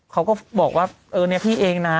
เขาก็บอกว่าเออเนี่ยพี่เองนะ